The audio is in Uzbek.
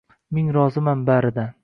Ming roziman baridan!